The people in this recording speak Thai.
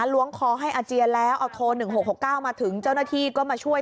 ล้วงคอให้อาเจียนแล้วเอาโทร๑๖๖๙มาถึงเจ้าหน้าที่ก็มาช่วย